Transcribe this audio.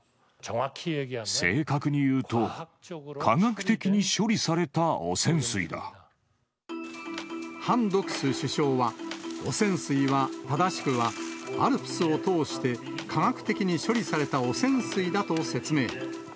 正確に言うと、ハン・ドクス首相は、汚染水は、正しくは、ＡＬＰＳを通して、科学的に処理された汚染水だと説明。